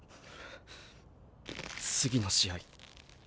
次の試合